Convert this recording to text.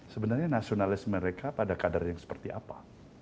sebenarnya nasionalisme mereka pada kadar yang seperti apa